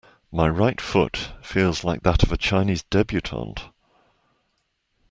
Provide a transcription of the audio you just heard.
My right foot feels like that of a Chinese debutante.